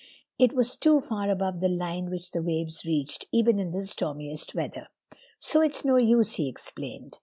It was too far above the line which the waves reached, even in the stormiest weather. "So it's no use," he explained.